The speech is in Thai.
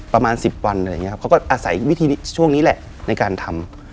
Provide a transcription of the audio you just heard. ประมาณ๑๐วันอะไรอย่างนี้ครับเขาก็อาศัยวิธีช่วงนี้แหละในการทำ